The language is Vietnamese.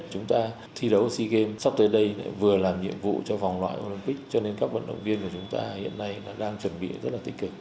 chúng ta thi đấu sea games sắp tới đây vừa làm nhiệm vụ cho vòng loại olympic cho nên các vận động viên của chúng ta hiện nay đang chuẩn bị rất là tích cực